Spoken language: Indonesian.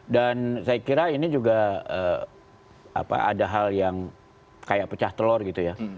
dan saya kira ini juga ada hal yang kayak pecah telur gitu ya